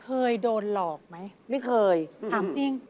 เคยโดนหลอกไหมถามจริงไม่เคย